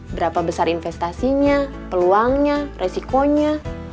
berapa besar investasinya peluangnya resikonya